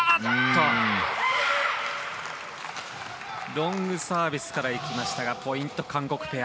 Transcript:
ロングサービスからいきましたがポイント、韓国ペア。